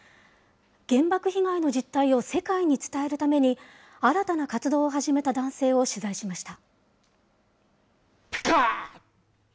原爆被害の実態を世界に伝えるために、新たな活動を始めた男性を取材しました。